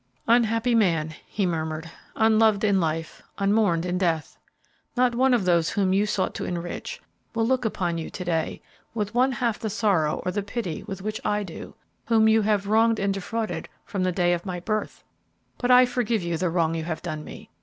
"Unhappy man!" he murmured. "Unloved in life, unmourned in death! Not one of those whom you sought to enrich will look upon you to day with one half the sorrow or the pity with which I do, whom you have wronged and defrauded from the day of my birth! But I forgive you the wrong you have done me.